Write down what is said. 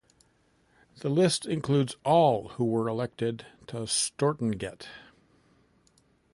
The list includes all who were elected to Stortinget.